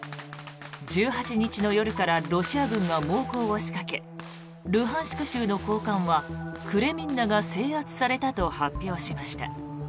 １８日の夜からロシア軍が猛攻を仕掛けルハンシク州の高官はクレミンナが制圧されたと発表しました。